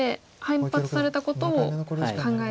反発されたことを考えた方が。